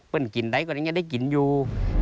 เปิดกลิ่นได้ก็ได้กลิ่นอยู่